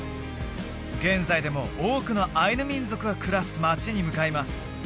現在でも多くのアイヌ民族が暮らす町に向かいます